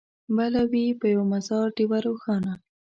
بله وي په یوه مزار ډېوه روښانه